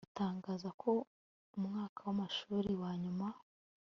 gutangaza ko umwaka wamashuri wa nyuma